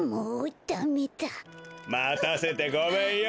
またせてごめんよ。